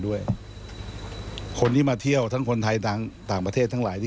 วิทยาลัยและพุธธรรม